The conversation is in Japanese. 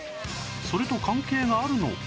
それと関係があるのか？